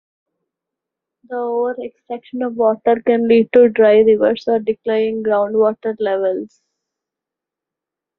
The over-extraction of water can lead to dry rivers or declining groundwater levels.